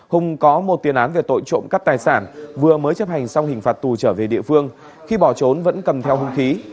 hùng có một tiền án về tội trộm cắp tài sản vừa mới chấp hành xong hình phạt tù trở về địa phương khi bỏ trốn vẫn cầm theo hung khí